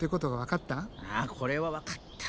あこれは分かった。